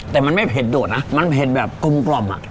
แต่มันไม่เผ็ดโดดนะมันเผ็ดแบบกลม